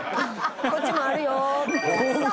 こっちもあるよ。